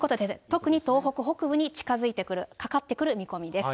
特に東北北部に近づいてくる、かかってくる見込みです。